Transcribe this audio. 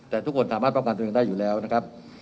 แต่ทุกคนสามารถป้องกันตัวเองได้อยู่แล้วนะครับ